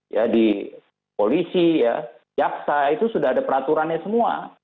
ya di polisi ya jaksa itu sudah ada peraturannya semua